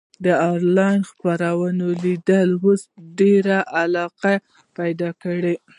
د انلاین خپرونو لیدل اوس ډېره علاقه پیدا کړې.